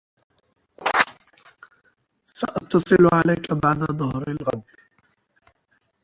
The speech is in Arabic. سأتصل عليك بعد ظهر الغد.